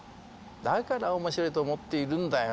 だからおもしろいと思っているんだよ。